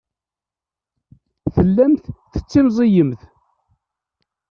Tellamt tettimẓiyemt.